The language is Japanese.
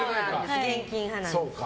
現金派なんです。